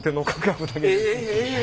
え！